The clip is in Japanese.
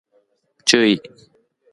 注意